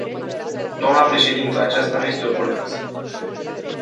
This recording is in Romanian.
Dnă președintă, aceasta nu este o problemă simplă.